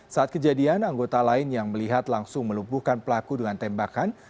saat kejadian anggota lain yang melihat langsung melumpuhkan pelaku dengan tembakan